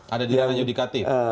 ada di ranah yudikatif